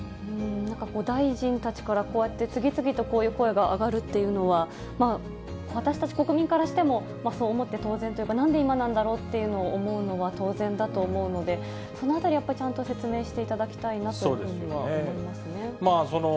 なんか大臣たちからこうやって次々とこういう声が上がるっていうのは、私たち国民からしても、そう思って当然というか、なんで今なんだろうっていうのを思うのは当然だと思うので、そのあたり、やっぱりちゃんと説明していただきたいなというふうには思いますそうですね。